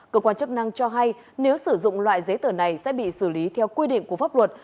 cơ quan chức năng cho hay nếu sử dụng loại giấy tờ này sẽ bị xử lý theo quy định của pháp luật